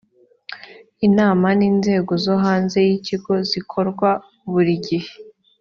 inama n’inzego zo hanze y’ikigo zikorwa buri gihe